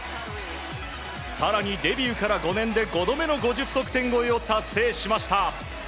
更にデビューから５年で５度目の５０得点超えを達成しました。